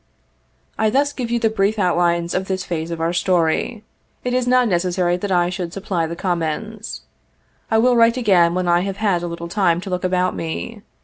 I thus give you the brief outlines of this phase of our story. It is not necessary that I should supply the comments. I will write again when I have had a little time to look about me.